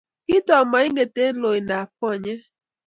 Kitok moinget eng loin ab konyek